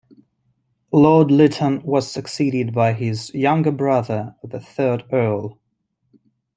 Lord Lytton was succeeded by his younger brother, the third Earl.